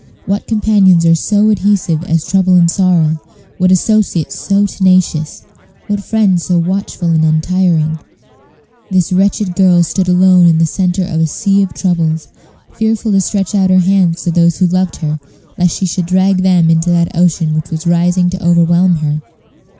What companions are so adhesive as trouble and sorrow? what associates so tenacious, what friends so watchful and untiring? This wretched girl stood alone in the centre of a sea of troubles, fearful to stretch out her hands to those who loved her, lest she should drag them into that ocean which was rising to overwhelm her.